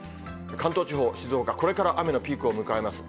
関東地方、静岡、これから雨のピークを迎えます。